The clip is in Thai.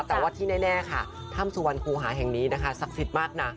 แต่ว่าที่แน่ค่ะถ้ำสุวรรคูหาแห่งนี้นะคะศักดิ์สิทธิ์มากนะ